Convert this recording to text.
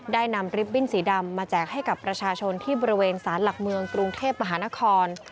นำริบบิ้นสีดำมาแจกให้กับประชาชนที่บริเวณสารหลักเมืองกรุงเทพมหานคร